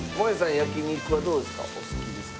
焼肉はどうですか？